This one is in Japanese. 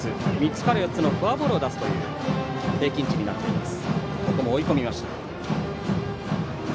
３つから４つのフォアボールを出すという平均値になっています。